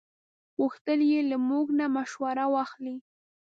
غوښتل یې له موږ نه مشوره واخلي.